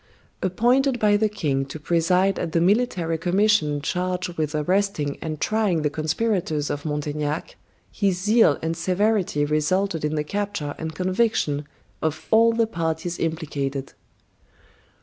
Appointed by the king to preside at the military commission charged with arresting and trying the conspirators of Montaignac his zeal and severity resulted in the capture and conviction of all the parties implicated."